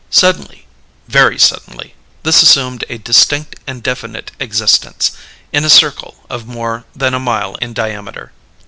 Suddenly very suddenly this assumed a distinct and definite existence, in a circle of more than a mile in diameter.